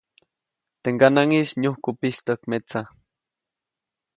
Teʼ ŋganaʼŋis nyujku pistäjk metsa.